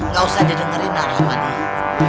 ga usah dia dengerin rahmadi